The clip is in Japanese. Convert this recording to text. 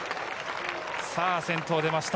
先頭、出ました。